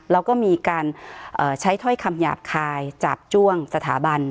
แล้วก็มีการใช้ถ้อยคำหยาบคายจาบจ้วงสถาบัน